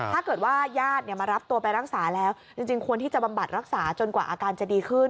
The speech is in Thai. ถ้าเกิดว่าญาติมารับตัวไปรักษาแล้วจริงควรที่จะบำบัดรักษาจนกว่าอาการจะดีขึ้น